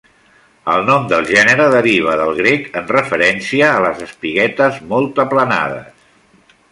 El nom del gènere deriva del grec en referència a les espiguetes molt aplanades.